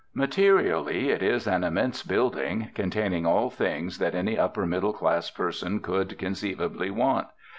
Materially it is an immense building, containing all things that any upper middle class person could conceivably want.